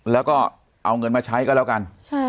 แล้วก็เอาเงินมาใช้ก็แล้วกัน